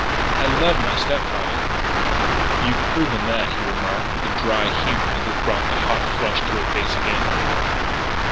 "I love my step father." "You've proven that," he remarked with a dry humour that brought the hot flush to her face again.